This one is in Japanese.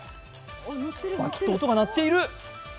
バキッと音が鳴っている。